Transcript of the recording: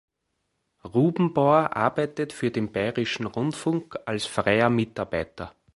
Rubenbauer arbeitet für den Bayerischen Rundfunk als freier Mitarbeiter.